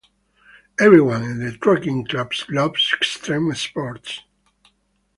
Everyone in the trekking club loves extreme sports.